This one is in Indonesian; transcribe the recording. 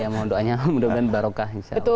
mohon doanya mudah mudahan barokah